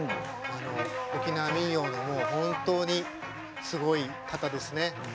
沖縄民謡のもう本当にすごい方ですね。